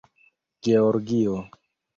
georgio